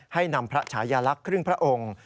ให้นำพระชายลักษณ์ครึ่งพระองค์